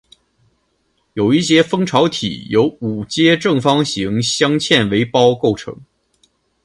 有一些蜂巢体由五阶正方形镶嵌为胞构成